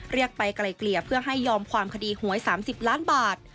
ไปไกลเกลี่ยเพื่อให้ยอมความคดีหวย๓๐ล้านบาท